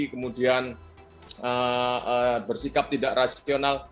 kemudian bersikap tidak rasional